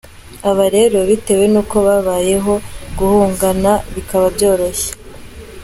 Aba rero, bitewe n’uko babayeho, guhungana bikaba byoroshye.